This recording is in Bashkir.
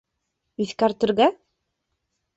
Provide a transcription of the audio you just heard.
— Иҫкәртергә?